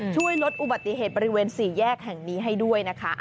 ช่วยลดอุบัติเหตุบริเวณ๔แยกแห่งนี้ให้ด้วยนะคะ